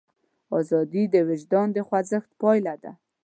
ازادي د وجدان د خوځښت پایله ده.